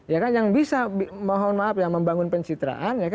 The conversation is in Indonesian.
ya kan yang bisa mohon maaf ya membangun pencitraan